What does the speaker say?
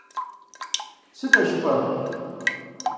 Сыт а жыпӀэр?!